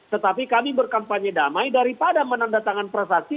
tetapi kami berkampanye damai daripada menandatangani prasasti